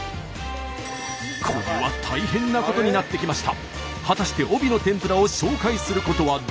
これは大変なことになってきました。